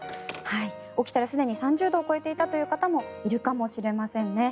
起きたらすでに３０度を超えていたという方もいるかもしれませんね。